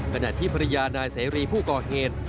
ขณะที่ภรรยานายเสรีผู้ก่อเหตุ